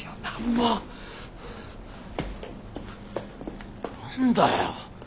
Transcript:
何だよ？